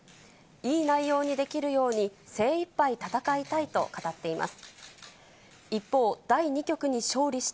いい内容にできるように、精いっぱい戦いたいと語っています。